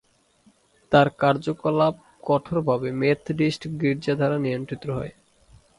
তার কার্যকলাপ কঠোরভাবে মেথডিস্ট গির্জা দ্বারা নিয়ন্ত্রিত হয়।